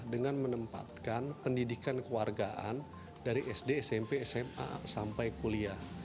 dengan menempatkan pendidikan kewargaan dari sd smp sma sampai kuliah